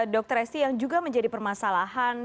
dokter esty yang juga menjadi permasalahan